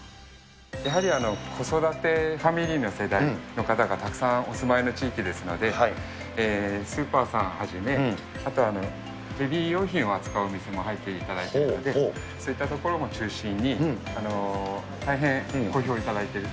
やはり子育てファミリーの世代の方々がたくさんお住まいの地域ですので、スーパーさんはじめ、あとベビー用品を扱うお店も入っていただいているので、そういったところも中心に大変好評いただいている。